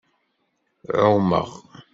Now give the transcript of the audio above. Ɛumeɣ.